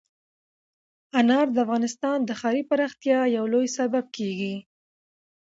انار د افغانستان د ښاري پراختیا یو لوی سبب کېږي.